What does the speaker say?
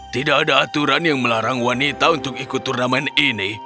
tidak ada aturan yang melarang wanita untuk ikut turnamen ini